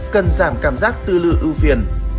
cần giảm cảm giác tư lư ưu phiền